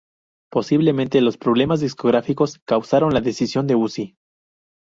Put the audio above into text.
Posiblemente los problemas discográficos causaron la decisión de Uzi.